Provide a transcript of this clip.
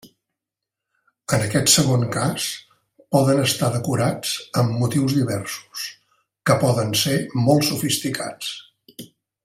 En aquest segon cas poden estar decorats amb motius diversos, que poden ser molt sofisticats.